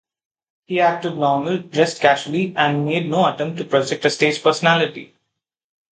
He acted "normal", dressed casually, and made no attempt to project a stage "personality".